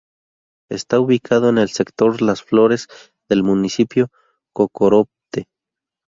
Está ubicado en el sector Las Flores, del Municipio Cocorote.